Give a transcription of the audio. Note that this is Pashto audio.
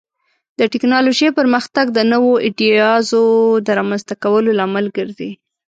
د ټکنالوژۍ پرمختګ د نوو ایډیازو د رامنځته کولو لامل ګرځي.